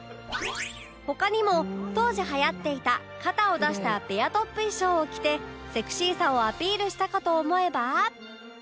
他にも当時流行っていた肩を出したベアトップ衣装を着てセクシーさをアピールしたかと思えば